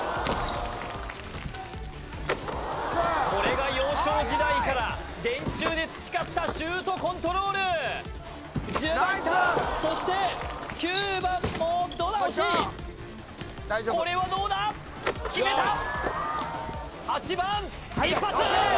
これが幼少時代から電柱で培ったシュートコントロール１０番いったそして９番もどうだ惜しいこれはどうだ決めた８番一発！